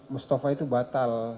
mustafa itu batal